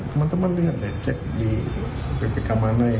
teman teman lihat cek di ppk mana ya